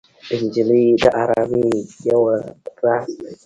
نجلۍ د ارامۍ یو راز دی.